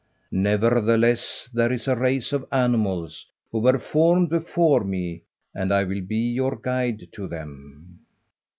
Nevertheless, there is a race of animals who were formed before me, and I will be your guide to them."